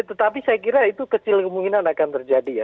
tetapi saya kira itu kecil kemungkinan akan terjadi ya